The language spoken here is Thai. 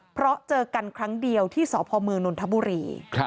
เพราะเจอกันครั้งเดียวที่สพเมืองนนทบุรี